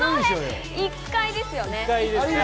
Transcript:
１階ですよね。